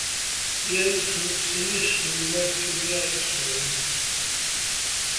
The entrance initially led to the atrium.